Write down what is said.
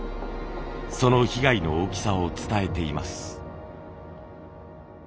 その被害の大きさを伝えています。